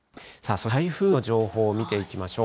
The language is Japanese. そして台風の情報を見ていきましょう。